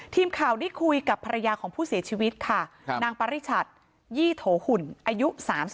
ทีมข่าวได้คุยกับภรรยาของผู้เสียชีวิตค่ะนางปริชัดยี่โถหุ่นอายุ๓๒